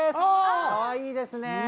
かわいいですね。